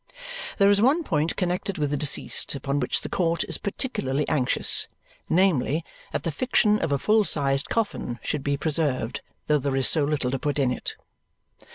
There is one point connected with the deceased upon which the court is particularly anxious, namely, that the fiction of a full sized coffin should be preserved, though there is so little to put in it.